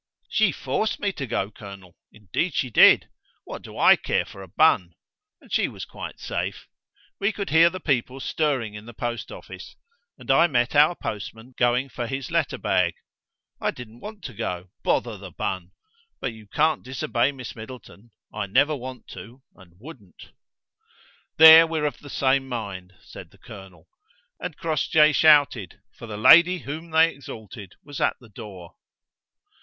"She forced me to go, colonel. Indeed she did. What do I care for a bun! And she was quite safe. We could hear the people stirring in the post office, and I met our postman going for his letter bag. I didn't want to go: bother the bun! but you can't disobey Miss Middleton. I never want to, and wouldn't." "There we're of the same mind," said the colonel, and Crossjay shouted, for the lady whom they exalted was at the door.